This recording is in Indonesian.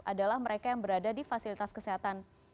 adalah mereka yang berada di fasilitas kesehatan